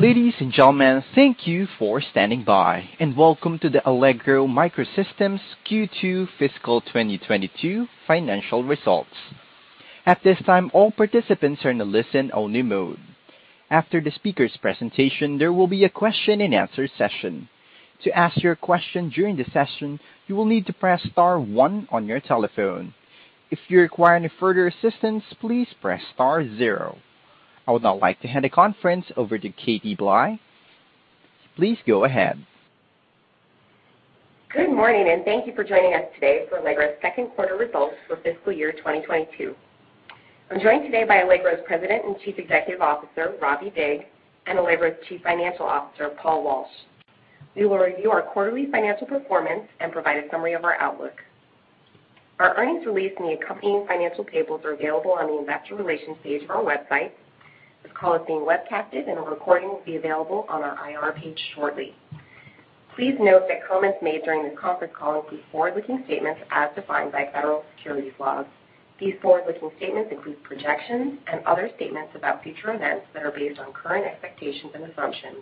Ladies and gentlemen, thank you for standing by, and welcome to the Allegro MicroSystems Q2 fiscal 2022 financial results. At this time, all participants are in a listen-only mode. After the speaker's presentation, there will be a question-and-answer session. To ask your question during the session, you will need to press star one on your telephone. If you require any further assistance, please press star zero. I would now like to hand the conference over to Katherine Blye. Please go ahead. Good morning, and thank you for joining us today for Allegro's Q2 results for fiscal year 2022. I'm joined today by Allegro's President and Chief Executive Officer, Ravi Vig, and Allegro's Chief Financial Officer, Paul Walsh. We will review our quarterly financial performance and provide a summary of our outlook. Our earnings release and the accompanying financial tables are available on the investor relations page of our website. This call is being webcast, and a recording will be available on our IR page shortly. Please note that comments made during this conference call include forward-looking statements as defined by federal securities laws. These forward-looking statements include projections and other statements about future events that are based on current expectations and assumptions,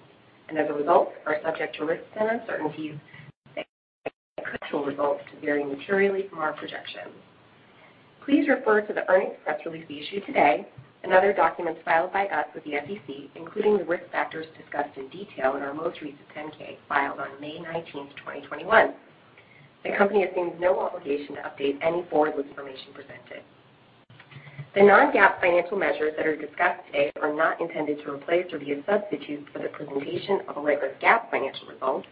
and as a result, are subject to risks and uncertainties that may cause actual results to vary materially from our projections. Please refer to the earnings press release issued today and other documents filed by us with the SEC, including the risk factors discussed in detail in our most recent 10-K filed on May 19th, 2021. The company assumes no obligation to update any forward-looking information presented. The non-GAAP financial measures that are discussed today are not intended to replace or be a substitute for the presentation of Allegro's GAAP financial results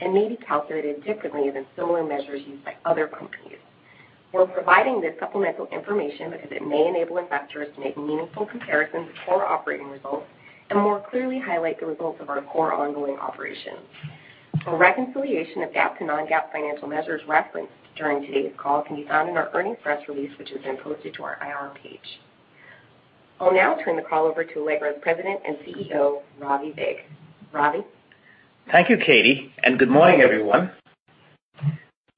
and may be calculated differently than similar measures used by other companies. We're providing this supplemental information because it may enable investors to make meaningful comparisons to core operating results and more clearly highlight the results of our core ongoing operations. A reconciliation of GAAP to non-GAAP financial measures referenced during today's call can be found in our earnings press release, which has been posted to our IR page. I'll now turn the call over to Allegro's President and CEO, Ravi Vig. Ravi? Thank you, Katie, and good morning, everyone.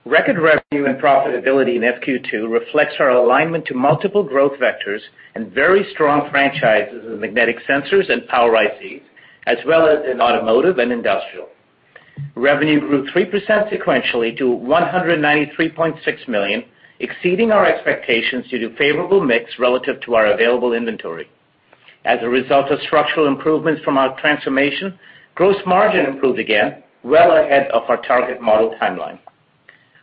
Record revenue and profitability in Q2 reflects our alignment to multiple growth vectors and very strong franchises in magnetic sensors and power ICs, as well as in automotive and industrial. Revenue grew 3% sequentially to $193.6 million, exceeding our expectations due to favorable mix relative to our available inventory. As a result of structural improvements from our transformation, gross margin improved again, well ahead of our target model timeline.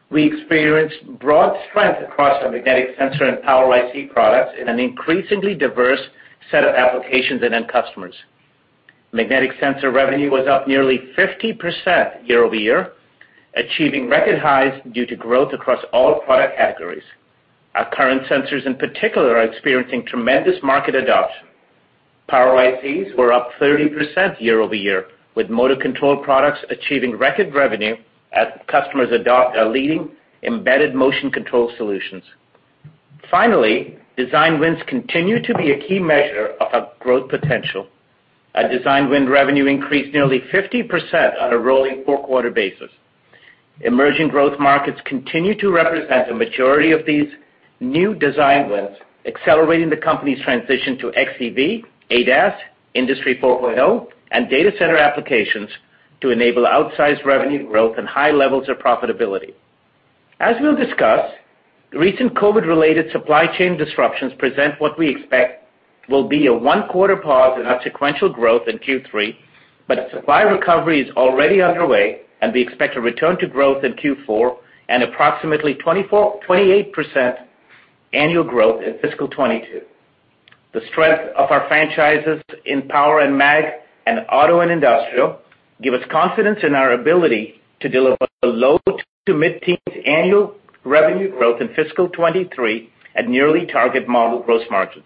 We experienced broad strength across our magnetic sensor and power IC products in an increasingly diverse set of applications and end customers. Magnetic sensor revenue was up nearly 50% year-over-year, achieving record highs due to growth across all product categories. Our current sensors in particular are experiencing tremendous market adoption. Power ICs were up 30% year-over-year, with motor control products achieving record revenue as customers adopt our leading embedded motion control solutions. Finally, design wins continue to be a key measure of our growth potential. Our design win revenue increased nearly 50% on a rolling four-quarter basis. Emerging growth markets continue to represent the majority of these new design wins, accelerating the company's transition to XEV, ADAS, Industry 4.0, and data center applications to enable outsized revenue growth and high levels of profitability. As we'll discuss, recent COVID-related supply chain disruptions present what we expect will be a Q1 pause in our sequential growth in Q3, but supply recovery is already underway, and we expect a return to growth in Q4 and approximately 24%-28% annual growth in fiscal 2022. The strength of our franchises in power and mag and auto and industrial give us confidence in our ability to deliver the low-to-mid teens% annual revenue growth in fiscal 2023 at nearly target model gross margins.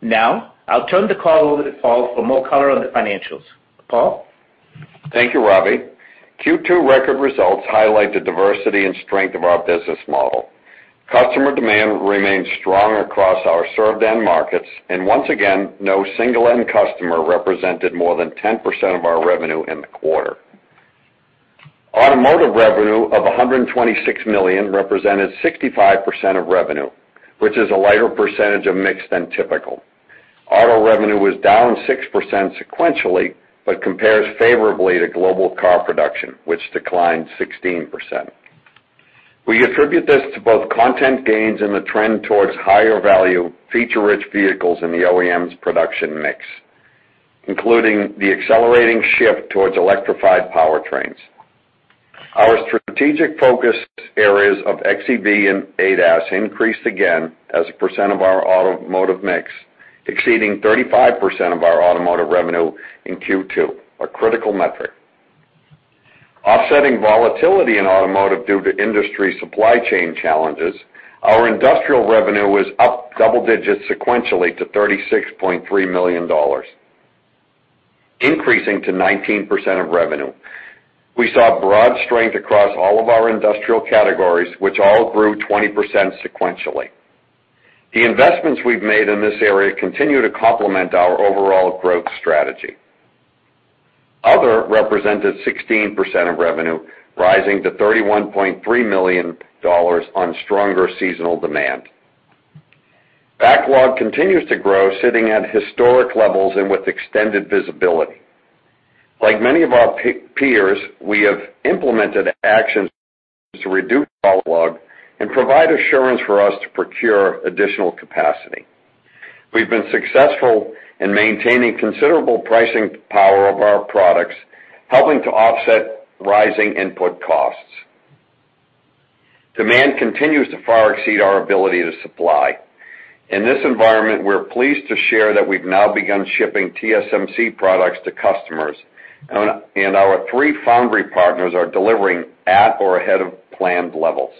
Now, I'll turn the call over to Paul for more color on the financials. Paul? Thank you, Ravi. Q2 record results highlight the diversity and strength of our business model. Customer demand remains strong across our served end markets, and once again, no single end customer represented more than 10% of our revenue in the quarter. Automotive revenue of $126 million represented 65% of revenue, which is a lighter percentage of mix than typical. Auto revenue was down 6% sequentially, but compares favorably to global car production, which declined 16%. We attribute this to both content gains and the trend towards higher-value, feature-rich vehicles in the OEM's production mix, including the accelerating shift towards electrified powertrains. Our strategic focus areas of XEV and ADAS increased again as a percent of our automotive mix, exceeding 35% of our automotive revenue in Q2, a critical metric. Offsetting volatility in automotive due to industry supply chain challenges, our industrial revenue was up double digits sequentially to $36.3 million, increasing to 19% of revenue. We saw broad strength across all of our industrial categories, which all grew 20% sequentially. The investments we've made in this area continue to complement our overall growth strategy. Other represented 16% of revenue, rising to $31.3 million on stronger seasonal demand. Backlog continues to grow, sitting at historic levels and with extended visibility. Like many of our peers, we have implemented actions to reduce backlog and provide assurance for us to procure additional capacity. We've been successful in maintaining considerable pricing power of our products, helping to offset rising input costs. Demand continues to far exceed our ability to supply. In this environment, we're pleased to share that we've now begun shipping TSMC products to customers and our three foundry partners are delivering at or ahead of planned levels.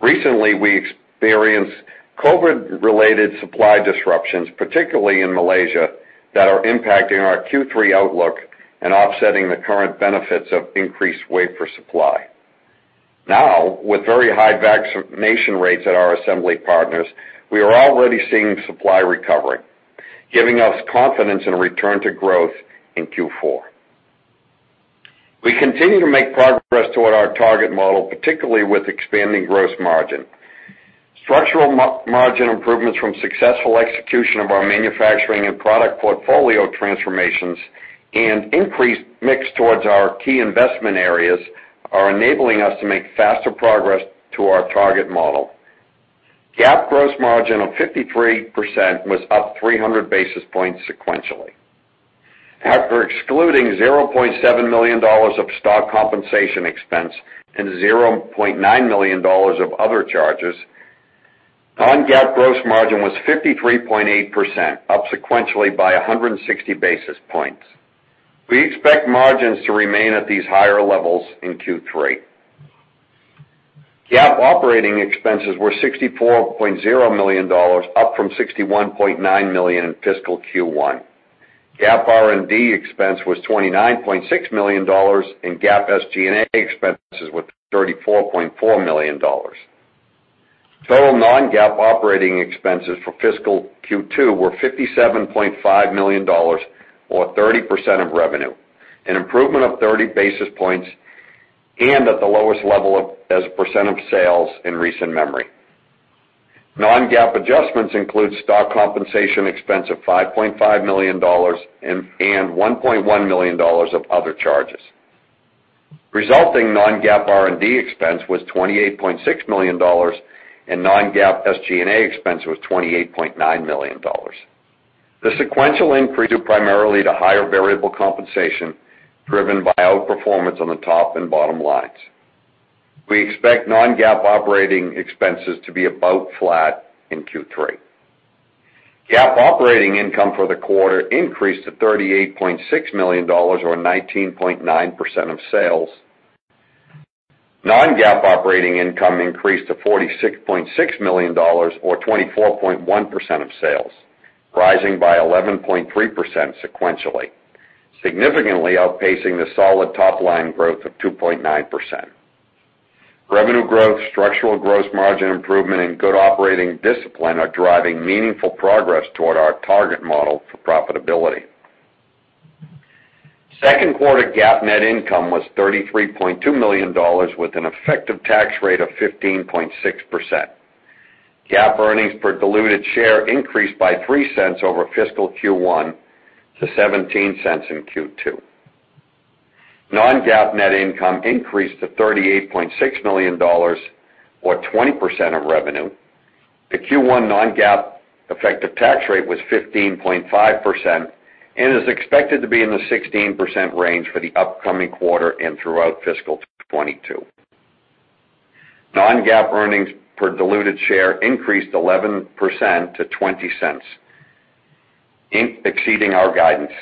Recently, we experienced COVID-related supply disruptions, particularly in Malaysia, that are impacting our Q3 outlook and offsetting the current benefits of increased wafer supply. Now, with very high vaccination rates at our assembly partners, we are already seeing supply recovering, giving us confidence in a return to growth in Q4. We continue to make progress toward our target model, particularly with expanding gross margin. Structural margin improvements from successful execution of our manufacturing and product portfolio transformations and increased mix towards our key investment areas are enabling us to make faster progress to our target model. GAAP gross margin of 53% was up 300 basis points sequentially. After excluding $0.7 million of stock compensation expense and $0.9 million of other charges, non-GAAP gross margin was 53.8%, up sequentially by 160 basis points. We expect margins to remain at these higher levels in Q3. GAAP operating expenses were $64.0 million, up from $61.9 million in fiscal Q1. GAAP R&D expense was $29.6 million, and GAAP SG&A expenses was $34.4 million. Total non-GAAP operating expenses for fiscal Q2 were $57.5 million or 30% of revenue, an improvement of 30 basis points, and at the lowest level as a percent of sales in recent memory. Non-GAAP adjustments include stock compensation expense of $5.5 million and one point one million dollars of other charges. Resulting non-GAAP R&D expense was $28.6 million, and non-GAAP SG&A expense was $28.9 million. The sequential increase due primarily to higher variable compensation driven by outperformance on the top and bottom lines. We expect non-GAAP operating expenses to be about flat in Q3. GAAP operating income for the quarter increased to $38.6 million or 19.9% of sales. Non-GAAP operating income increased to $46.6 million or 24.1% of sales, rising by 11.3% sequentially, significantly outpacing the solid top-line growth of 2.9%. Revenue growth, structural gross margin improvement, and good operating discipline are driving meaningful progress toward our target model for profitability. Q2 GAAP net income was $33.2 million with an effective tax rate of 15.6%. GAAP earnings per diluted share increased by $0.03 over fiscal Q1 to $0.17 in Q2. Non-GAAP net income increased to $38.6 million or 20% of revenue. The Q1 non-GAAP effective tax rate was 15.5% and is expected to be in the 16% range for the upcoming quarter and throughout fiscal 2022. Non-GAAP earnings per diluted share increased 11% to $0.20, exceeding our guidance.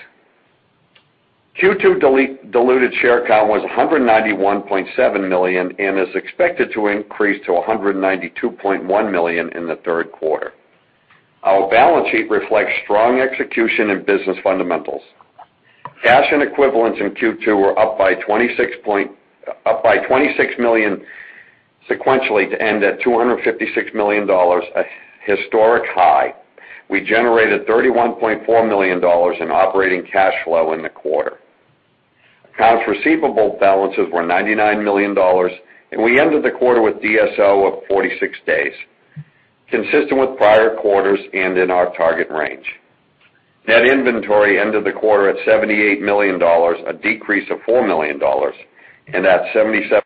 Q2 diluted share count was 191.7 million and is expected to increase to 192.1 million in the Q3. Our balance sheet reflects strong execution in business fundamentals. Cash and equivalents in Q2 were up by $26 million sequentially to end at $256 million, a historic high. We generated $31.4 million in operating cash flow in the quarter. Accounts receivable balances were $99 million, and we ended the quarter with DSO of 46 days, consistent with prior quarters and in our target range. Net inventory ended the quarter at $78 million, a decrease of $4 million, and at 77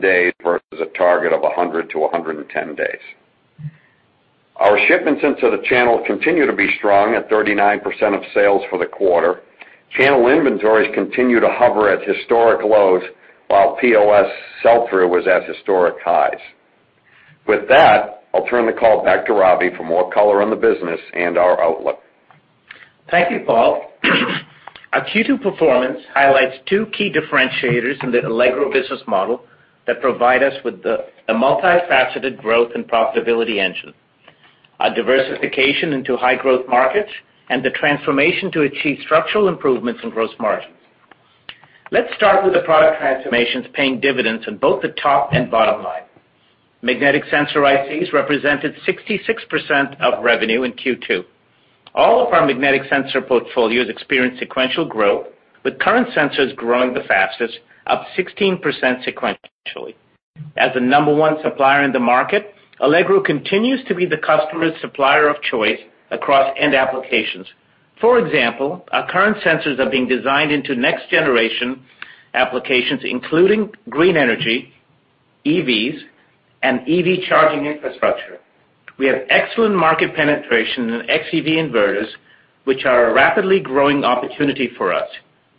days versus a target of 100 to 110 days. Our shipments into the channel continue to be strong at 39% of sales for the quarter. Channel inventories continue to hover at historic lows while POS sell-through was at historic highs. With that, I'll turn the call back to Ravi for more color on the business and our outlook. Thank you, Paul. Our Q2 performance highlights 2 key differentiators in the Allegro business model that provide us with the multifaceted growth and profitability engine, a diversification into high-growth markets, and the transformation to achieve structural improvements in gross margins. Let's start with the product transformations paying dividends on both the top and bottom line. Magnetic sensor ICs represented 66% of revenue in Q2. All of our magnetic sensor portfolios experience sequential growth, with current sensors growing the fastest, up 16% sequentially. As the number one supplier in the market, Allegro continues to be the customer's supplier of choice across end applications. For example, our current sensors are being designed into next-generation applications, including green energy, EVs, and EV charging infrastructure. We have excellent market penetration in XEV inverters, which are a rapidly growing opportunity for us.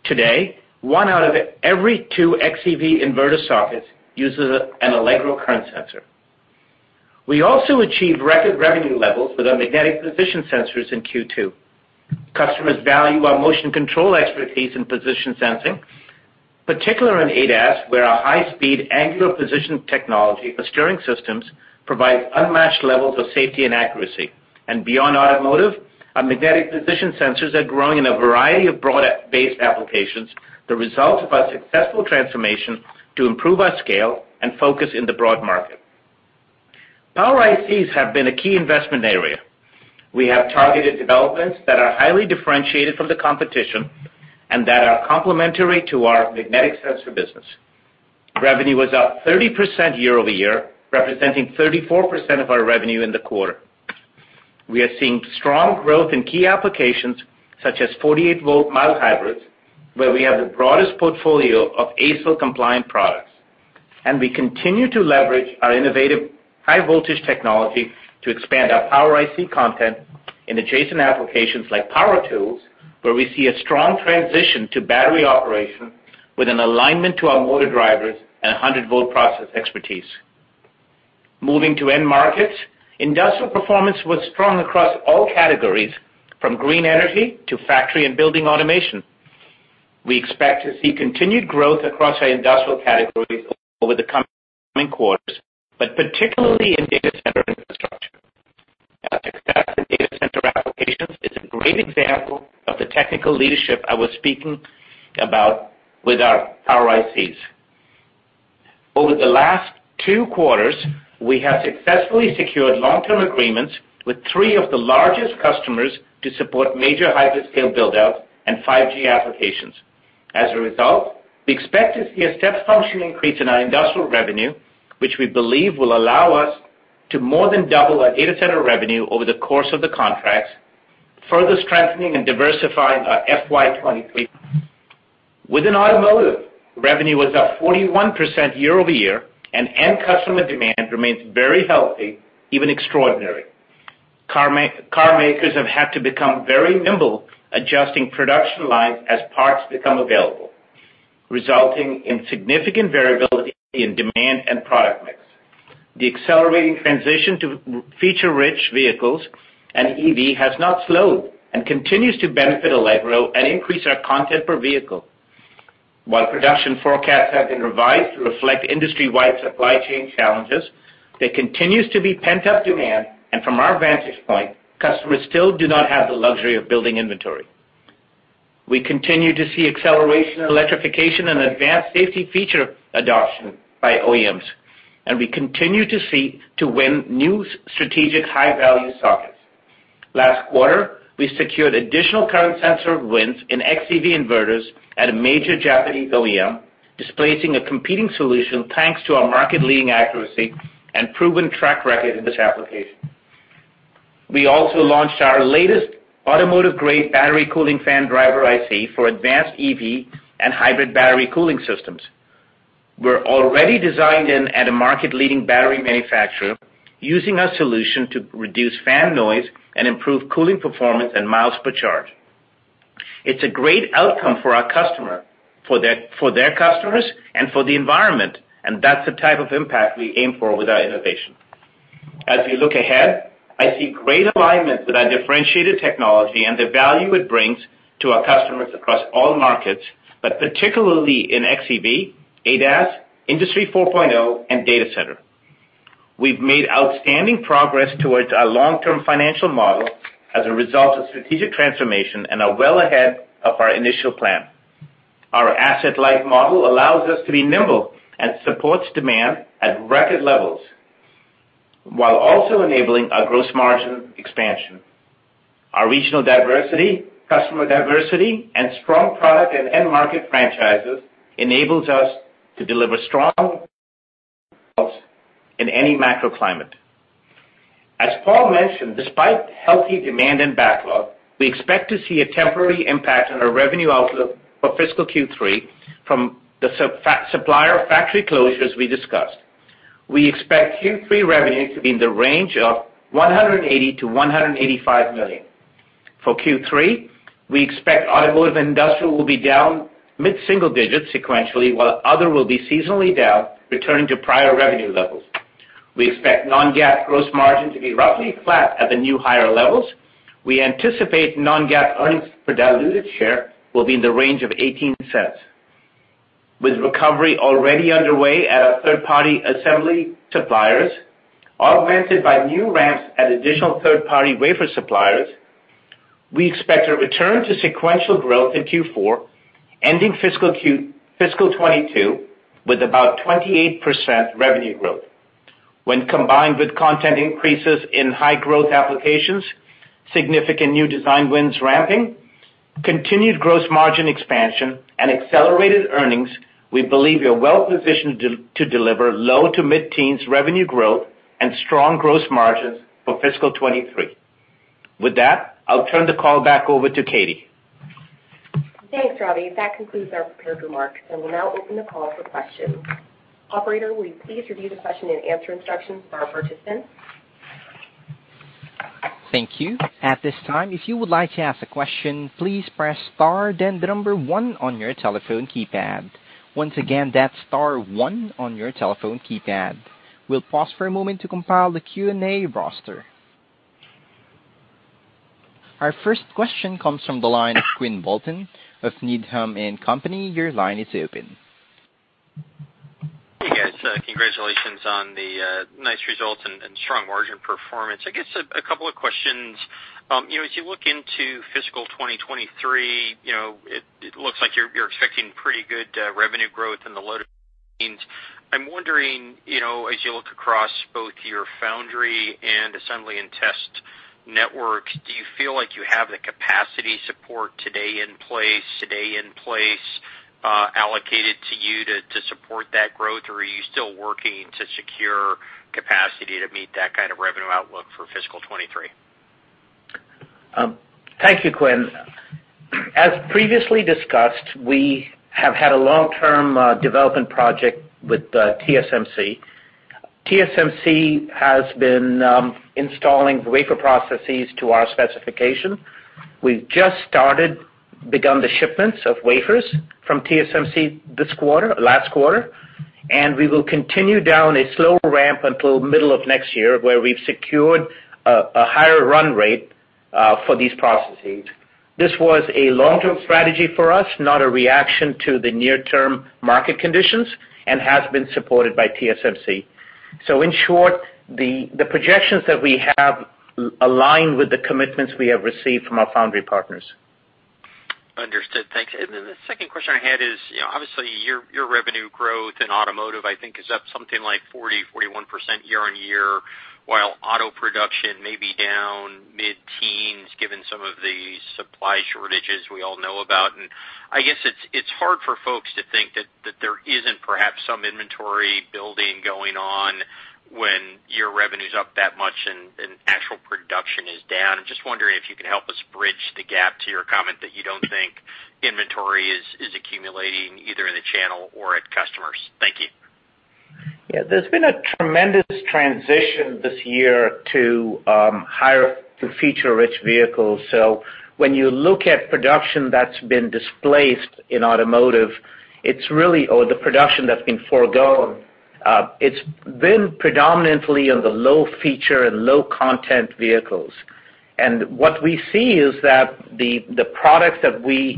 Today, 1 out of every 2 XEV inverter sockets uses an Allegro current sensor. We also achieved record revenue levels with our magnetic position sensors in Q2. Customers value our motion control expertise in position sensing, particularly in ADAS, where our high speed angular position technology for steering systems provides unmatched levels of safety and accuracy. Beyond automotive, our magnetic position sensors are growing in a variety of broad-based applications, the result of our successful transformation to improve our scale and focus in the broad market. Power ICs have been a key investment area. We have targeted developments that are highly differentiated from the competition and that are complementary to our magnetic sensor business. Revenue was up 30% year-over-year, representing 34% of our revenue in the quarter. We are seeing strong growth in key applications such as 48V mild hybrids, where we have the broadest portfolio of ASIL compliant products. We continue to leverage our innovative high voltage technology to expand our power IC content in adjacent applications like power tools, where we see a strong transition to battery operation with an alignment to our motor drivers and 100V process expertise. Moving to end markets, industrial performance was strong across all categories, from green energy to factory and building automation. We expect to see continued growth across our industrial categories over the coming quarters, but particularly in data center infrastructure. Our success in data center applications is a great example of the technical leadership I was speaking about with our power ICs. Over the last Q2, we have successfully secured long-term agreements with three of the largest customers to support major hyperscale build-outs and 5G applications. As a result, we expect to see a step function increase in our industrial revenue, which we believe will allow us to more than double our data center revenue over the course of the contracts, further strengthening and diversifying our FY 2023. Within automotive, revenue was up 41% year-over-year, and end customer demand remains very healthy, even extraordinary. Car makers have had to become very nimble, adjusting production lines as parts become available, resulting in significant variability in demand and product mix. The accelerating transition to feature-rich vehicles and EV has not slowed and continues to benefit Allegro and increase our content per vehicle. While production forecasts have been revised to reflect industry-wide supply chain challenges, there continues to be pent-up demand, and from our vantage point, customers still do not have the luxury of building inventory. We continue to see acceleration in electrification and advanced safety feature adoption by OEMs, and we continue to win new strategic high-value sockets. Last quarter, we secured additional current sensor wins in XEV inverters at a major Japanese OEM, displacing a competing solution thanks to our market-leading accuracy and proven track record in this application. We also launched our latest automotive-grade battery cooling fan driver IC for advanced EV and hybrid battery cooling systems. We're already designed in at a market-leading battery manufacturer using our solution to reduce fan noise and improve cooling performance and miles per charge. It's a great outcome for our customer, for their customers, and for the environment, and that's the type of impact we aim for with our innovation. As we look ahead, I see great alignment with our differentiated technology and the value it brings to our customers across all markets, but particularly in XEV, ADAS, Industry 4.0, and data center. We've made outstanding progress towards our long-term financial model as a result of strategic transformation, and are well ahead of our initial plan. Our asset-light model allows us to be nimble and supports demand at record levels while also enabling our gross margin expansion. Our regional diversity, customer diversity, and strong product and end market franchises enables us to deliver strong results in any macro climate. As Paul mentioned, despite healthy demand and backlog, we expect to see a temporary impact on our revenue outlook for fiscal Q3 from the subcon supplier factory closures we discussed. We expect Q3 revenue to be in the range of $180 million-$185 million. For Q3, we expect automotive and industrial will be down mid-single digits sequentially, while other will be seasonally down, returning to prior revenue levels. We expect non-GAAP gross margin to be roughly flat at the new higher levels. We anticipate non-GAAP earnings per diluted share will be in the range of $0.18. With recovery already underway at our 3rd-party assembly suppliers, augmented by new ramps at additional 3rd-party wafer suppliers, we expect to return to sequential growth in Q4, ending fiscal 2022 with about 28% revenue growth. When combined with content increases in high growth applications, significant new design wins ramping, continued gross margin expansion and accelerated earnings, we believe we are well positioned to deliver low- to mid-teens revenue growth and strong gross margins for fiscal 2023. With that, I'll turn the call back over to Katie. Thanks, Ravi. That concludes our prepared remarks, and we'll now open the call for questions. Operator, will you please review the question-and-answer instructions for our participants? Thank you. At this time, if you would like to ask a question, please press star then the number one on your telephone keypad. Once again, that's star one on your telephone keypad. We'll pause for a moment to compile the Q&A roster. Our 1st question comes from the line of Quinn Bolton of Needham & Company. Your line is open. Hey, guys. Congratulations on the nice results and strong margin performance. I guess a couple of questions. You know, as you look into fiscal 2023, you know, it looks like you're expecting pretty good revenue growth in the low-to-mid-teens. I'm wondering, you know, as you look across both your foundry and assembly and test networks, do you feel like you have the capacity support today in place allocated to you to support that growth? Or are you still working to secure capacity to meet that kind of revenue outlook for fiscal 2023? Thank you, Quinn. As previously discussed, we have had a long-term development project with TSMC. TSMC has been installing wafer processes to our specification. We've just begun the shipments of wafers from TSMC this quarter, last quarter, and we will continue down a slow ramp until middle of next year, where we've secured a higher run rate for these processes. This was a long-term strategy for us, not a reaction to the near-term market conditions, and has been supported by TSMC. In short, the projections that we have align with the commitments we have received from our foundry partners. Understood. Thanks. The 2nd question I had is, you know, obviously your revenue growth in automotive, I think, is up something like 40 to 41% year-over-year, while auto production may be down mid-teens given some of the supply shortages we all know about. I guess it's hard for folks to think that there isn't perhaps some inventory building going on when your revenue's up that much and actual production is down. I'm just wondering if you can help us bridge the gap to your comment that you don't think inventory is accumulating either in the channel or at customers. Thank you. Yeah. There's been a tremendous transition this year to higher feature-rich vehicles. When you look at production that's been displaced in automotive, the production that's been foregone, it's been predominantly on the low-feature and low-content vehicles. What we see is that the products that we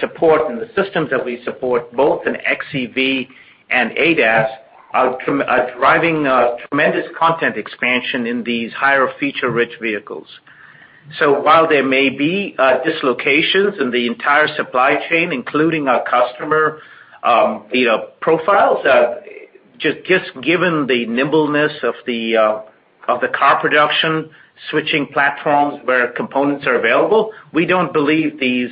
support and the systems that we support, both in XEV and ADAS are driving tremendous content expansion in these higher feature-rich vehicles. While there may be dislocations in the entire supply chain, including our customer, you know, profiles, just given the nimbleness of the car production switching platforms where components are available, we don't believe these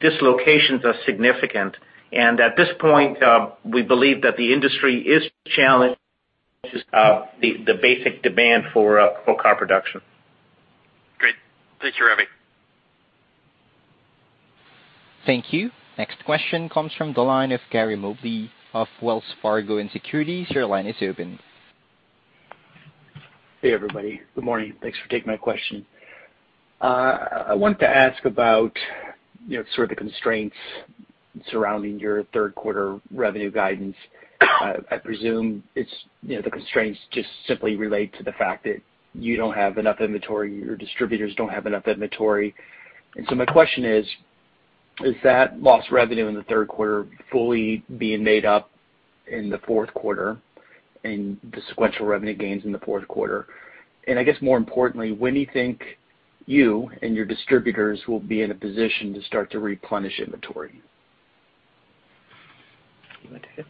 dislocations are significant. At this point, we believe that the industry is challenged, the basic demand for car production. Great. Thank you, Ravi. Thank you. Next question comes from the line of Gary Mobley of Wells Fargo Securities. Your line is open. Hey, everybody. Good morning. Thanks for taking my question. I want to ask about, you know, sort of the constraints surrounding your Q3 revenue guidance. I presume it's, you know, the constraints just simply relate to the fact that you don't have enough inventory, your distributors don't have enough inventory. My question is that lost revenue in the Q3 fully being made up in the Q4 and the sequential revenue gains in the Q4? I guess more importantly, when do you think you and your distributors will be in a position to start to replenish inventory? You want to take it?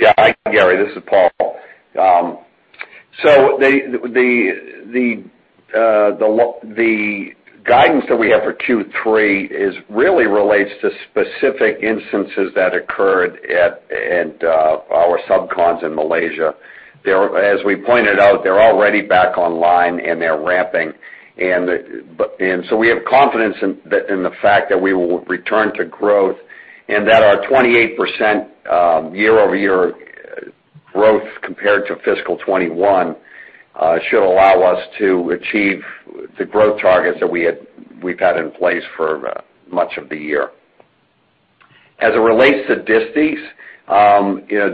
Yeah. Hi, Gary, this is Paul. The guidance that we have for Q3 really relates to specific instances that occurred at our subcons in Malaysia. As we pointed out, they're already back online, and they're ramping. We have confidence in the fact that we will return to growth and that our 28% year-over-year growth compared to fiscal 2021 should allow us to achieve the growth targets that we've had in place for much of the year. As it relates to distribution, you know,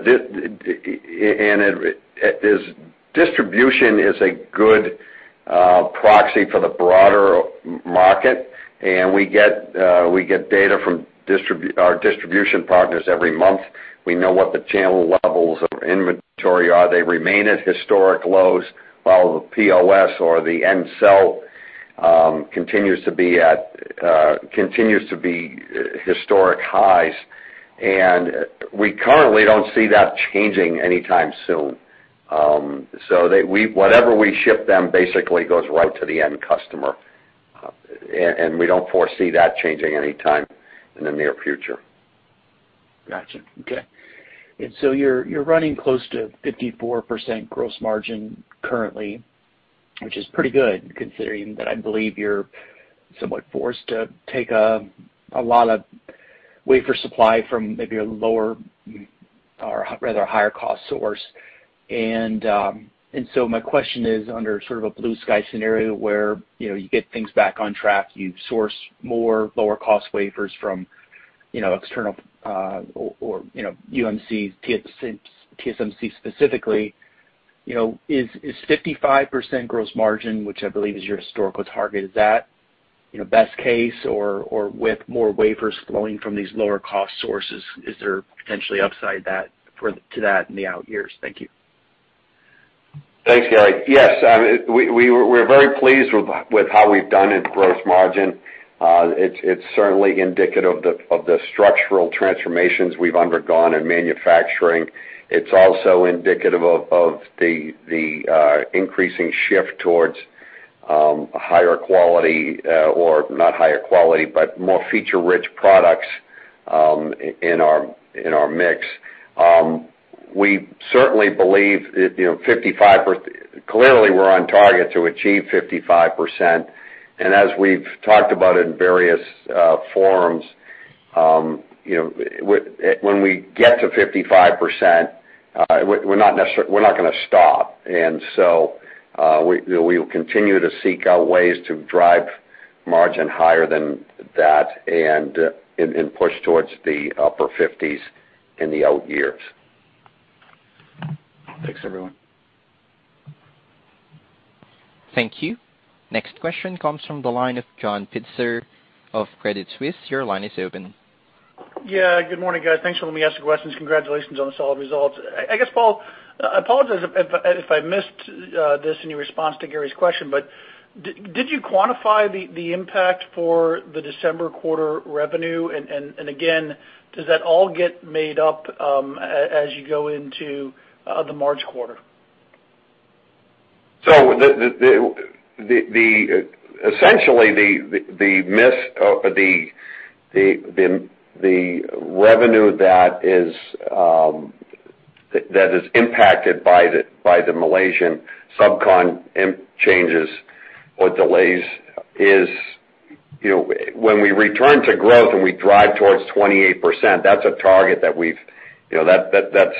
distribution is a good proxy for the broader market, and we get data from our distribution partners every month. We know what the channel levels of inventory are. They remain at historic lows, while the POS or the end sell-in continues to be at historic highs, and we currently don't see that changing anytime soon. Whatever we ship to them basically goes right to the end customer. We don't foresee that changing anytime in the near future. Got it. Okay. You're running close to 54% gross margin currently, which is pretty good considering that I believe you're somewhat forced to take a lot of wafer supply from maybe a lower or rather higher cost source. My question is under sort of a blue sky scenario where you know you get things back on track, you source more lower cost wafers from you know external or you know UMC TSMC specifically, you know is 55% gross margin, which I believe is your historical target, is that you know best case or with more wafers flowing from these lower cost sources, is there potentially upside to that in the out years? Thank you. Thanks, Gary. Yes, we're very pleased with how we've done in gross margin. It's certainly indicative of the structural transformations we've undergone in manufacturing. It's also indicative of the increasing shift towards higher quality, or not higher quality, but more feature-rich products in our mix. We certainly believe, you know, clearly, we're on target to achieve 55%. As we've talked about in various forums, you know, when we get to 55%, we're not going to stop. We will continue to seek out ways to drive margin higher than that and push towards the upper fifties in the out years. Thanks, everyone. Thank you. Next question comes from the line of John Pitzer of Credit Suisse. Your line is open. Yeah, good morning, guys. Thanks for letting me ask the questions. Congratulations on the solid results. I guess, Paul, I apologize if I missed this in your response to Gary's question, but did you quantify the impact for the December quarter revenue? Again, does that all get made up as you go into the March quarter? Essentially, the revenue that is impacted by the Malaysian subcon changes or delays is, you know, when we return to growth and we drive towards 28%, that's a target that we've, you know, that's,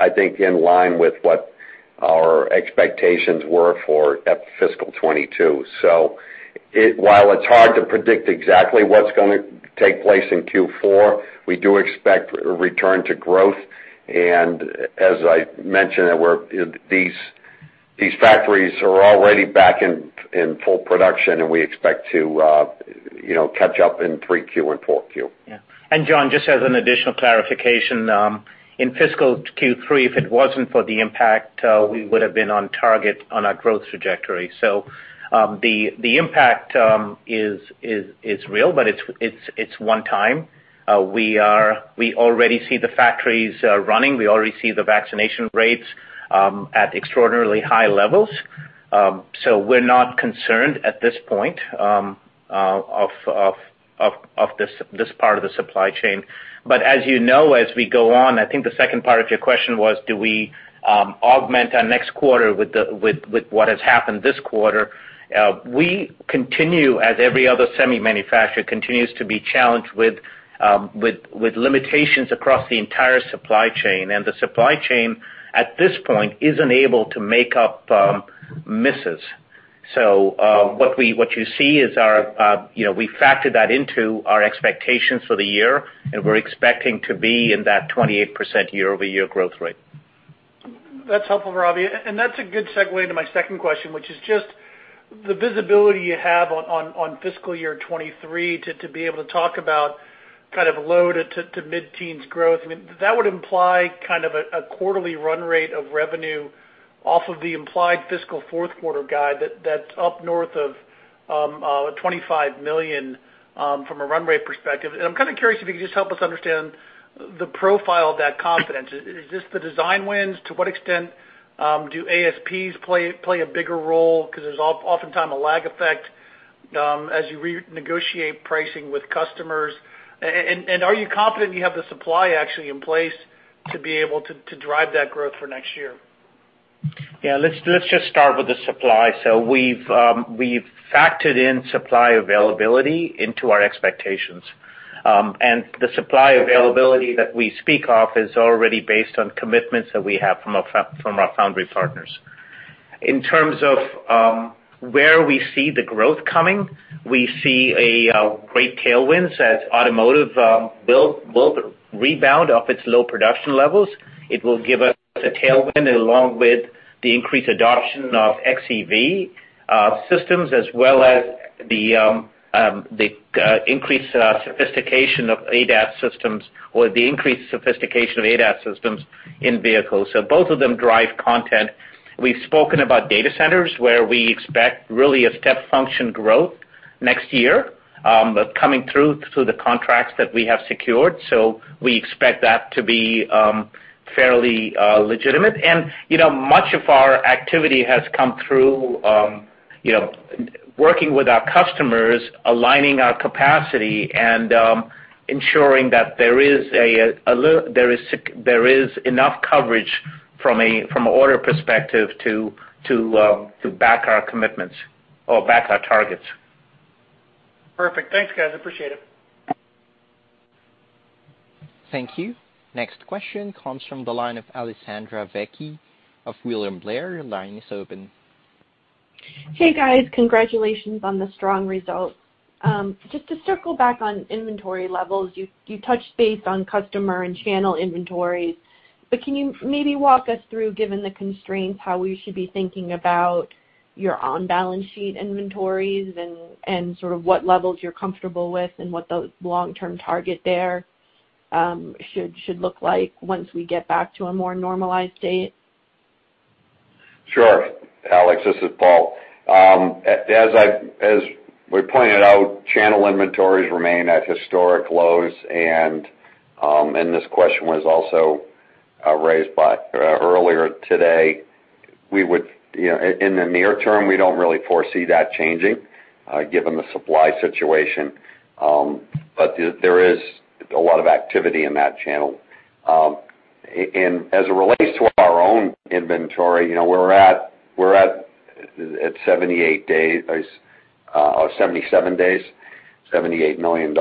I think in line with what our expectations were for at fiscal 2022. While it's hard to predict exactly what's going to take place in Q4, we do expect a return to growth. As I mentioned, you know, these factories are already back in full production, and we expect to, you know, catch up in 3Q and 4Q. Yeah. John, just as an additional clarification, in fiscal Q3, if it wasn't for the impact, we would have been on target on our growth trajectory. The impact is real, but it's one time. We already see the factories running. We already see the vaccination rates at extraordinarily high levels. We're not concerned at this point of this part of the supply chain. As you know, as we go on, I think the 2nd part of your question was, do we augment our next quarter with what has happened this quarter? We continue, as every other semi manufacturer continues to be challenged with limitations across the entire supply chain. The supply chain at this point isn't able to make up misses. What you see is our, you know, we factor that into our expectations for the year, and we're expecting to be in that 28% year-over-year growth rate. That's helpful, Ravi. That's a good segue into my 2nd question, which is just the visibility you have on fiscal year 2023 to be able to talk about kind of low- to mid-teens% growth. I mean, that would imply kind of a quarterly run rate of revenue off of the implied fiscal Q4 guide that's up north of $25 million from a run rate perspective. I'm kind of curious if you could just help us understand the profile of that confidence. Is this the design wins? To what extent do ASPs play a bigger role 'cause there's oftentimes a lag effect as you renegotiate pricing with customers? And are you confident you have the supply actually in place to be able to drive that growth for next year? Yeah, let's just start with the supply. We've factored in supply availability into our expectations. The supply availability that we speak of is already based on commitments that we have from our foundry partners. In terms of where we see the growth coming, we see great tailwinds as automotive build rebound off its low production levels. It will give us a tailwind along with the increased adoption of XEV systems, as well as the increased sophistication of ADAS systems in vehicles. Both of them drive content. We've spoken about data centers, where we expect really a step function growth next year but coming through to the contracts that we have secured. We expect that to be fairly legitimate. You know, much of our activity has come through, you know, working with our customers, aligning our capacity and ensuring that there is enough coverage from an order perspective to back our commitments or back our targets. Perfect. Thanks, guys. Appreciate it. Thank you. Next question comes from the line of Alessandra Vecchi of William Blair. Your line is open. Hey, guys. Congratulations on the strong results. Just to circle back on inventory levels, you touched base on customer and channel inventories, but can you maybe walk us through, given the constraints, how we should be thinking about your on-balance sheet inventories and sort of what levels you're comfortable with and what the long-term target there should look like once we get back to a more normalized state? Sure. Alex, this is Paul. As we pointed out, channel inventories remain at historic lows, and this question was also raised by earlier today. We would, you know, in the near term, we don't really foresee that changing, given the supply situation. But there is a lot of activity in that channel. And as it relates to our own inventory, you know, we're at 78 days, 77 days, $78 million.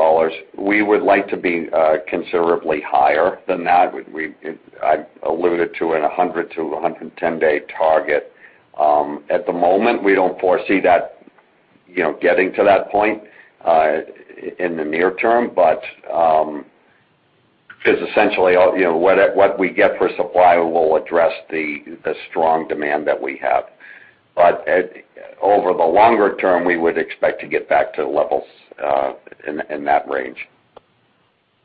We would like to be considerably higher than that. We alluded to it, 100 to 110-day target. At the moment, we don't foresee that, you know, getting to that point, in the near term, but, 'cause essentially, you know, what we get for supply will address the strong demand that we have. Over the longer term, we would expect to get back to levels, in that range.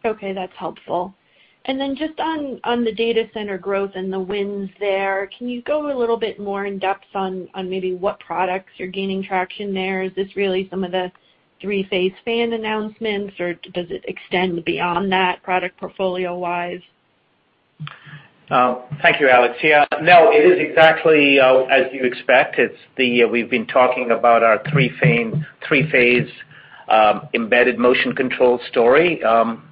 Okay, that's helpful. Just on the data center growth and the wins there, can you go a little bit more in depth on maybe what products you're gaining traction there? Is this really some of the three-phase fan announcements, or does it extend beyond that product portfolio-wise? Thank you, Alex. Yeah, no, it is exactly as you expect. It's that we've been talking about our three-phase embedded motion control story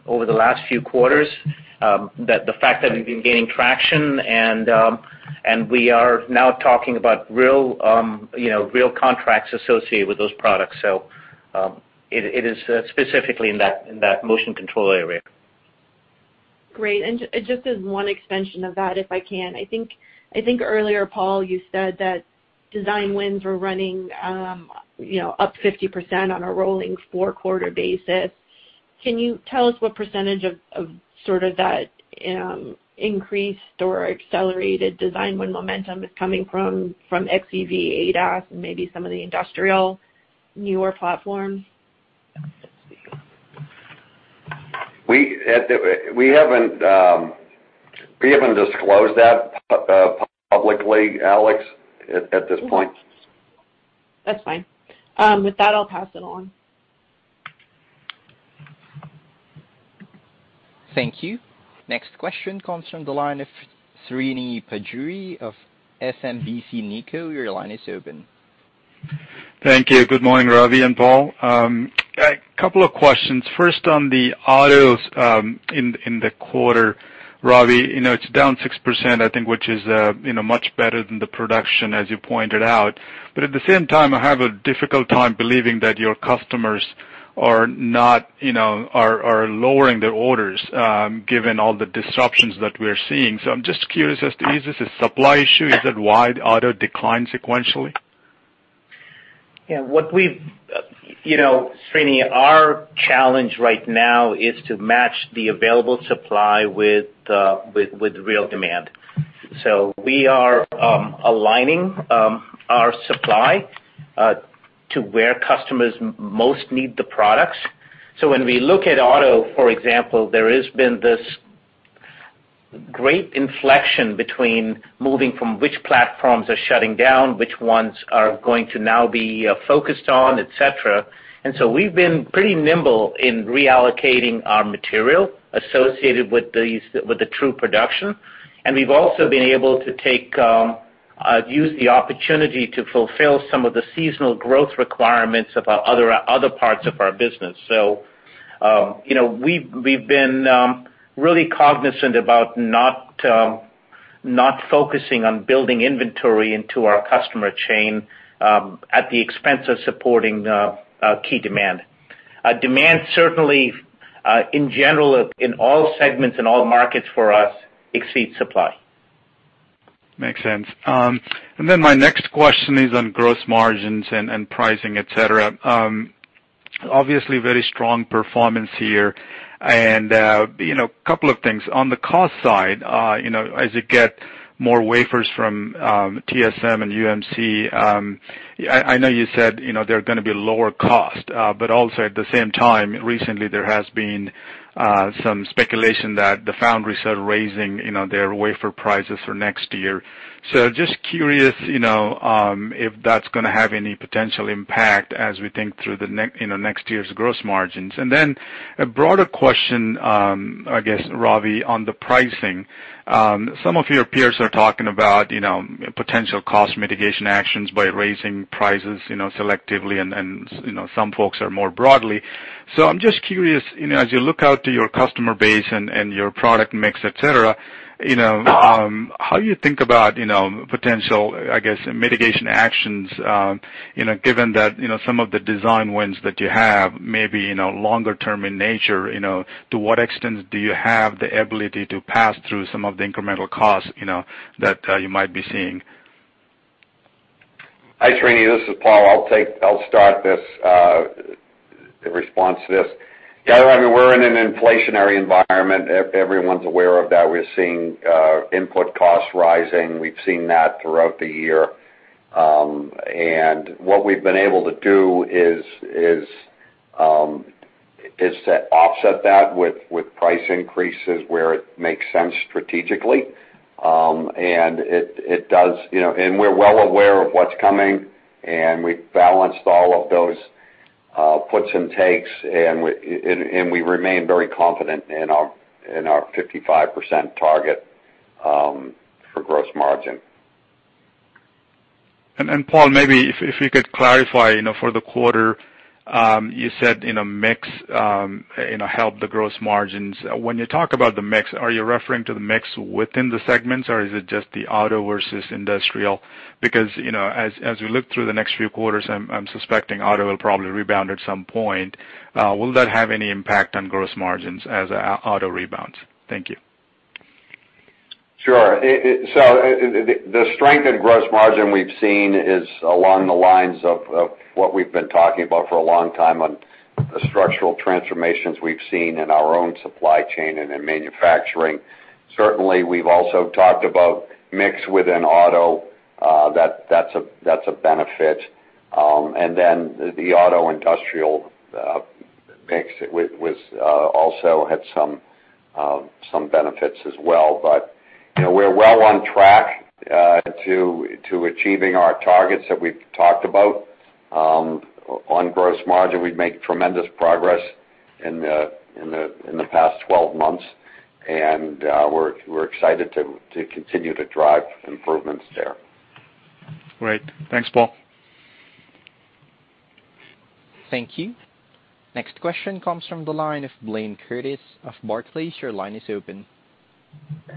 over the last few quarters. The fact that we've been gaining traction and we are now talking about real, you know, real contracts associated with those products. It is specifically in that motion control area. Great. Just as one extension of that, if I can, I think earlier, Paul, you said that design wins were running up 50% on a rolling Q4 basis. Can you tell us what percentage of sort of that increased or accelerated design win momentum is coming from XEV, ADAS, and maybe some of the industrial newer platforms? We haven't disclosed that publicly, Alex, at this point. That's fine. With that, I'll pass it on. Thank you. Next question comes from the line of Srini Pajjuri of SMBC Nikko. Your line is open. Thank you. Good morning, Ravi and Paul. A couple of questions. 1st, on the autos, in the quarter, Ravi, you know, it's down 6%, I think, which is, you know, much better than the production, as you pointed out. At the same time, I have a difficult time believing that your customers are not, you know, lowering their orders, given all the disruptions that we're seeing. I'm just curious as to is this a supply issue? Is that why the auto declined sequentially? Yeah, what we've, you know, Srini, our challenge right now is to match the available supply with real demand. We are aligning our supply to where customers most need the products. When we look at auto, for example, there has been this great inflection between moving from which platforms are shutting down, which ones are going to now be focused on, et cetera. We've been pretty nimble in reallocating our material associated with these with the true production. We've also been able to use the opportunity to fulfill some of the seasonal growth requirements of our other parts of our business. You know, we've been really cognizant about not focusing on building inventory into our customer chain at the expense of supporting key demand. Demand certainly in general in all segments and all markets for us exceeds supply. Makes sense. My next question is on gross margins and pricing, et cetera. Obviously very strong performance here and, you know, a couple of things. On the cost side, you know, as you get more wafers from TSMC and UMC. I know you said, you know, they're going to be lower cost, but also at the same time, recently there has been some speculation that the foundries are raising, you know, their wafer prices for next year. Just curious, you know, if that's going to have any potential impact as we think through next year's gross margins. A broader question, I guess, Ravi, on the pricing. Some of your peers are talking about, you know, potential cost mitigation actions by raising prices, you know, selectively and, you know, some folks are more broadly. I'm just curious, you know, as you look out to your customer base and your product mix, et cetera, you know, how you think about, you know, potential, I guess, mitigation actions, you know, given that, you know, some of the design wins that you have may be, you know, longer term in nature. You know, to what extent do you have the ability to pass through some of the incremental costs, you know, that you might be seeing? Hi, Srini, this is Paul. I'll start this, the response to this. Yeah, I mean, we're in an inflationary environment. Everyone's aware of that. We're seeing input costs rising. We've seen that throughout the year. What we've been able to do is to offset that with price increases where it makes sense strategically. It does, you know, and we're well aware of what's coming, and we've balanced all of those puts and takes and we remain very confident in our 55% target for gross margin. Paul, maybe if you could clarify, you know, for the quarter, you said a mix, you know, helped the gross margins. When you talk about the mix, are you referring to the mix within the segments or is it just the auto versus industrial? Because, you know, as we look through the next few quarters, I'm suspecting auto will probably rebound at some point. Will that have any impact on gross margins as auto rebounds? Thank you. Sure. The strength in gross margin we've seen is along the lines of what we've been talking about for a long time on the structural transformations we've seen in our own supply chain and in manufacturing. Certainly, we've also talked about mix within auto, that's a benefit. Then the auto industrial mix also had some benefits as well. You know, we're well on track to achieving our targets that we've talked about on gross margin. We've made tremendous progress in the past 12 months, and we're excited to continue to drive improvements there. Great. Thanks, Paul. Thank you. Next question comes from the line of Blayne Curtis of Barclays. Your line is open.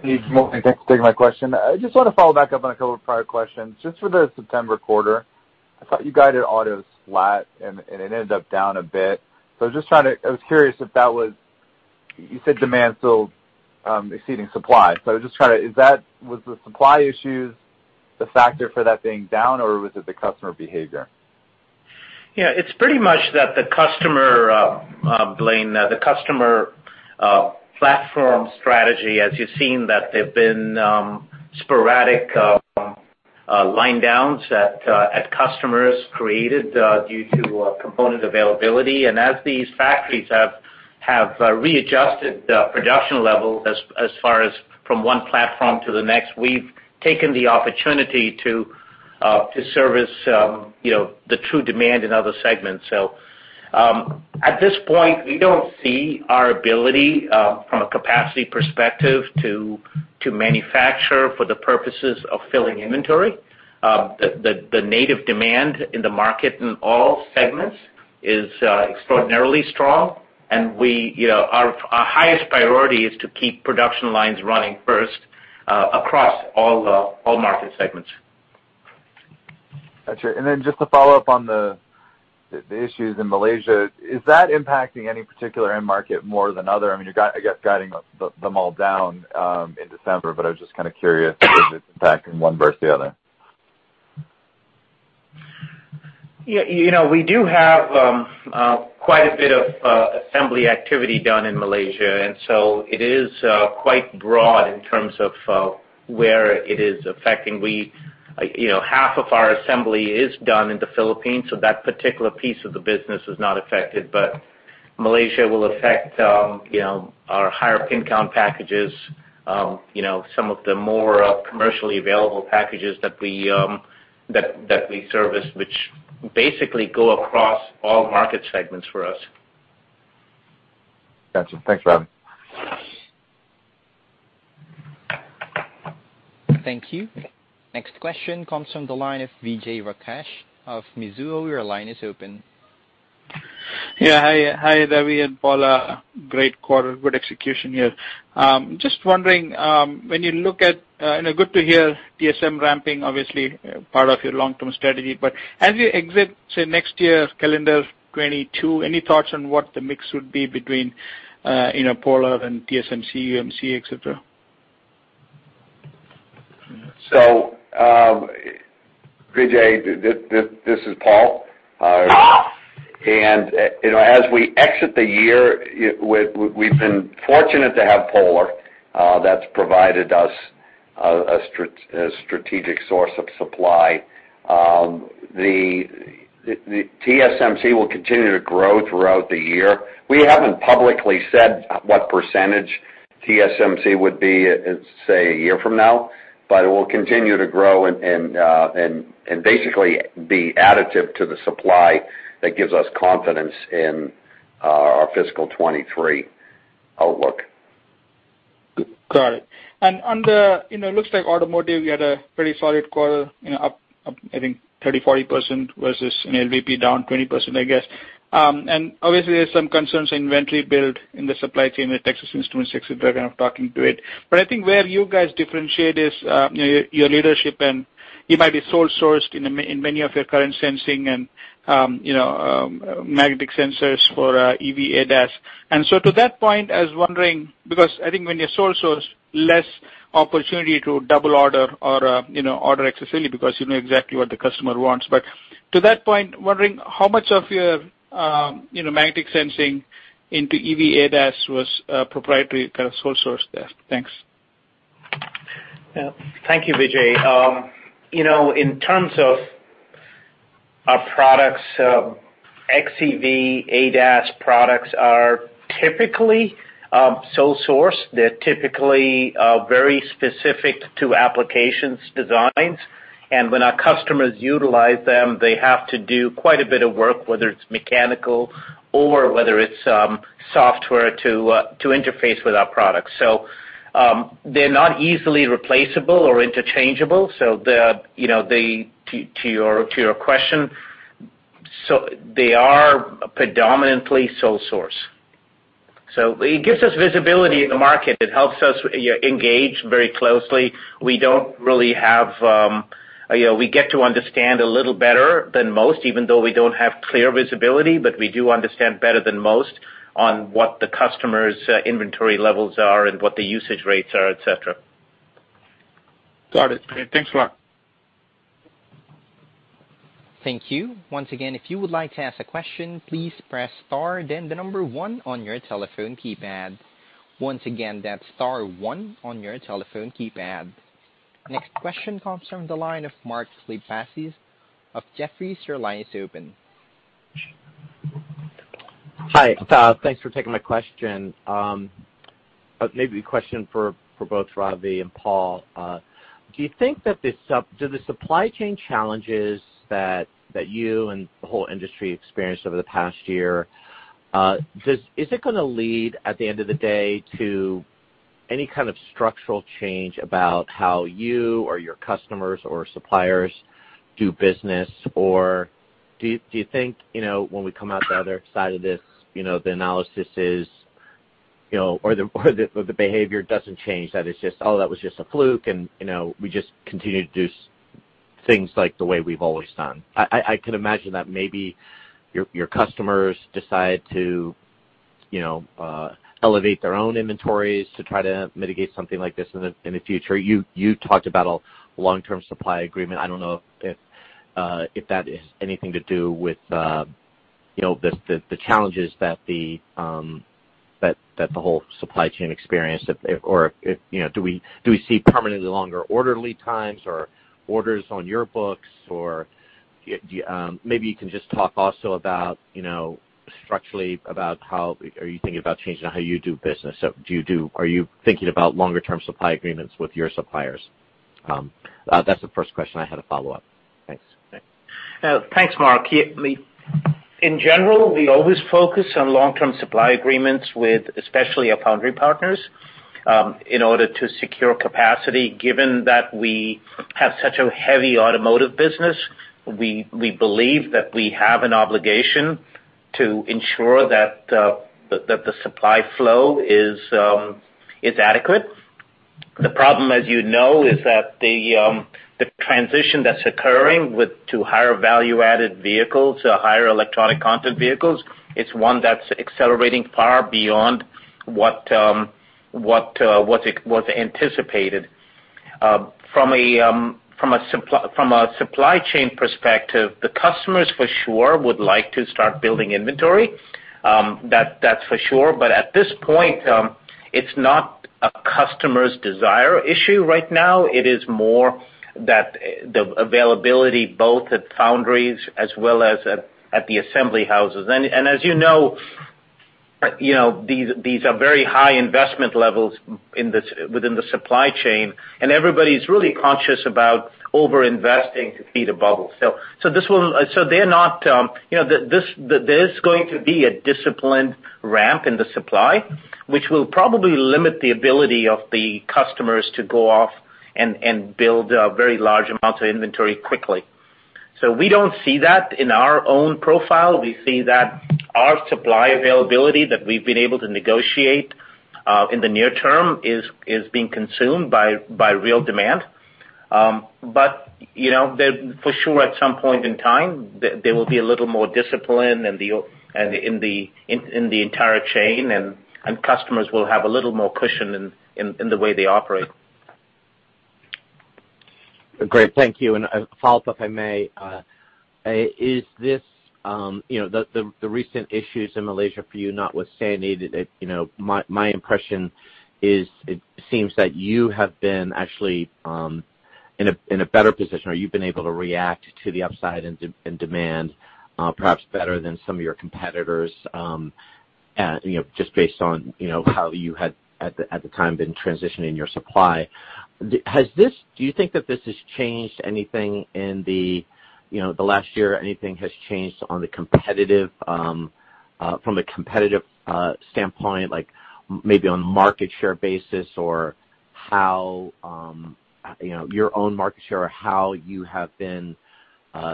Hey, thanks for taking my question. I just want to follow up on a couple of prior questions, just for the September quarter. I thought you guided auto flat and it ended up down a bit. I was curious if that was. You said demand still exceeding supply. Was the supply issues the factor for that being down, or was it the customer behavior? Yeah, it's pretty much the customer, Blayne, platform strategy, as you've seen that they've been sporadic line downs at customers created due to component availability. These factories have readjusted the production level as far as from one platform to the next. We've taken the opportunity to service, you know, the true demand in other segments. At this point, we don't see our ability from a capacity perspective to manufacture for the purposes of filling inventory. The native demand in the market in all segments is extraordinarily strong and we, you know, our highest priority is to keep production lines running first across all market segments. Got you. Just to follow up on the issues in Malaysia, is that impacting any particular end market more than other? I mean, you're, I guess, guiding them all down in December, but I was just kind of curious if it's impacting one versus the other. Yeah, you know, we do have quite a bit of assembly activity done in Malaysia, and so it is quite broad in terms of where it is affecting. We, you know, half of our assembly is done in the Philippines, so that particular piece of the business is not affected. Malaysia will affect, you know, our higher pin count packages, you know, some of the more commercially available packages that we that we service, which basically go across all market segments for us. Got you. Thanks, Ravi. Thank you. Next question comes from the line of Vijay Rakesh of Mizuho. Your line is open. Yeah. Hi. Hi, Ravi and Paul. Great quarter. Good execution here. Just wondering, when you look at, and good to hear TSMC ramping, obviously part of your long-term strategy. But as you exit, say, next year, calendar 2022, any thoughts on what the mix would be between, you know, Polar and TSMC, UMC, et cetera? Vijay, this is Paul. Ah. You know, as we exit the year, we've been fortunate to have Polar that's provided us a strategic source of supply. TSMC will continue to grow throughout the year. We haven't publicly said what percentage TSMC would be, say, a year from now, but it will continue to grow and basically be additive to the supply that gives us confidence in our fiscal 2023 outlook. Got it. On the, you know, looks like automotive, you had a pretty solid quarter, you know, up, I think 30% to 40% versus an LVP down 20%, I guess. Obviously, there's some concerns inventory build in the supply chain with Texas Instruments, et cetera, kind of talking to it. I think where you guys differentiate is, you know, your leadership, and you might be sole sourced in many of your current sensing and, you know, magnetic sensors for EV ADAS. To that point, I was wondering because I think when you're sole source, less opportunity to double order or, you know, order excessively because you know exactly what the customer wants. To that point, wondering how much of your, you know, magnetic sensing into EV ADAS was proprietary kind of sole source there. Thanks. Yeah. Thank you, Vijay. You know, in terms of our products, XEV ADAS products are typically sole source. They're typically very specific to application designs. When our customers utilize them, they have to do quite a bit of work, whether it's mechanical or software to interface with our products. They're not easily replaceable or interchangeable. To your question, they are predominantly sole source. It gives us visibility in the market. It helps us engage very closely. We don't really have clear visibility, but we do understand better than most on what the customer's inventory levels are and what the usage rates are, et cetera. Got it. Thanks a lot. Next question comes from the line of Mark Lipacis of Jefferies. Your line is open. Hi. Thanks for taking my question. Maybe a question for both Ravi and Paul. Do you think that the supply chain challenges that you and the whole industry experienced over the past year is it going to lead at the end of the day to any kind of structural change about how you or your customers or suppliers do business? Or do you think, you know, when we come out the other side of this, you know, the analysis is, you know, or the behavior doesn't change, that it's just, "Oh, that was just a fluke," and, you know, we just continue to do things like the way we've always done. I can imagine that maybe your customers decide to, you know, elevate their own inventories to try to mitigate something like this in the future. You talked about a long-term supply agreement. I don't know if that has anything to do with, you know, the challenges that the whole supply chain experienced or if, you know, do we see permanently longer order lead times or orders on your books. Or do you maybe just talk also about, you know, structurally about how are you thinking about changing how you do business. Are you thinking about longer term supply agreements with your suppliers. That's the 1st question. I had a follow-up. Thanks. Thanks, Mark. Yeah, in general, we always focus on long-term supply agreements with especially our foundry partners in order to secure capacity. Given that we have such a heavy automotive business, we believe that we have an obligation to ensure that the supply flow is adequate. The problem, as you know, is that the transition that's occurring to higher value-added vehicles or higher electronic content vehicles is one that's accelerating far beyond what's anticipated. From a supply chain perspective, the customers for sure would like to start building inventory, that's for sure. But at this point, it's not a customer's desire issue right now, it is more that the availability both at foundries as well as at the assembly houses. As you know, you know, these are very high investment levels in this, within the supply chain, and everybody's really conscious about over-investing to feed a bubble. They're not, you know, there is going to be a disciplined ramp in the supply, which will probably limit the ability of the customers to go off and build very large amounts of inventory quickly. We don't see that in our own profile. We see that our supply availability that we've been able to negotiate in the near term is being consumed by real demand. you know, for sure, at some point in time, there will be a little more discipline in the entire chain and customers will have a little more cushion in the way they operate. Great. Thank you. A follow-up, if I may. Is this, you know, the recent issues in Malaysia for you notwithstanding, you know, my impression is it seems that you have been actually in a better position or you've been able to react to the upside and demand, perhaps better than some of your competitors, you know, just based on, you know, how you had at the time been transitioning your supply. do you think that this has changed anything in the, you know, the last year, anything has changed on the competitive, from a competitive standpoint, like maybe on market share basis or how, you know, your own market share or how you have been,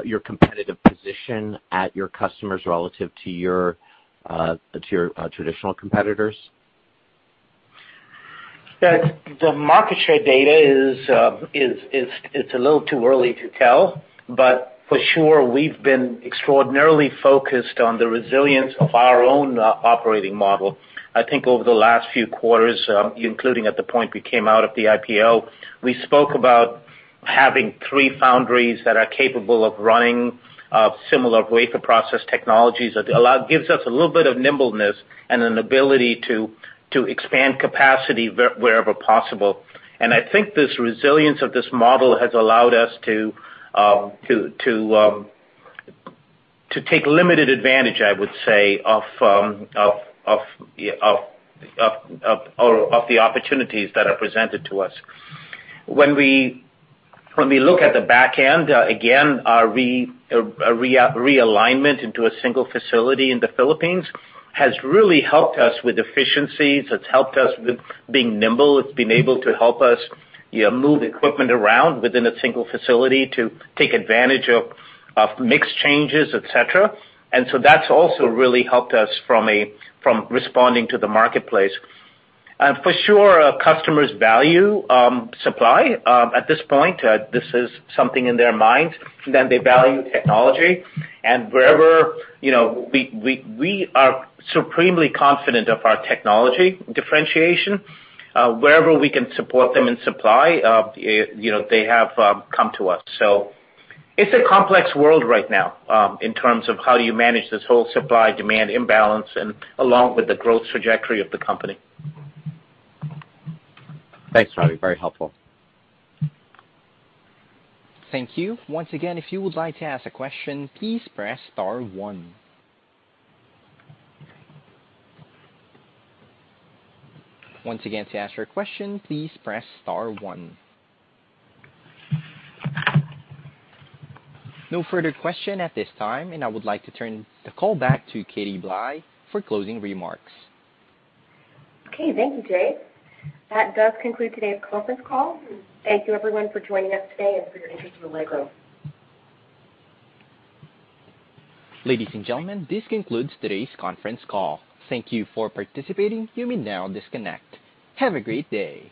your competitive position at your customers relative to your traditional competitors? Yeah. The market share data is a little too early to tell, but for sure, we've been extraordinarily focused on the resilience of our own operating model. I think over the last few quarters, including at the point we came out of the IPO, we spoke about having three foundries that are capable of running similar wafer process technologies that gives us a little bit of nimbleness and an ability to expand capacity wherever possible. I think this resilience of this model has allowed us to take limited advantage, I would say, of the opportunities that are presented to us. When we look at the back end, our realignment into a single facility in the Philippines has really helped us with efficiencies. It's helped us with being nimble. It's been able to help us move equipment around within a single facility to take advantage of mix changes, et cetera. That's also really helped us from responding to the marketplace. For sure, our customers value supply at this point. This is something in their mind, then they value technology. Wherever we are supremely confident of our technology differentiation. Wherever we can support them in supply, they have come to us. It's a complex world right now, in terms of how you manage this whole supply-demand imbalance and along with the growth trajectory of the company. Thanks, Ravi. Very helpful. Thank you. No further question at this time. I would like to turn the call back to Katherine Blye for closing remarks. Okay. Thank you, Jay. That does conclude today's conference call. Thank you, everyone, for joining us today and for your interest in Allegro. Ladies and gentlemen, this concludes today's conference call. Thank you for participating. You may now disconnect. Have a great day.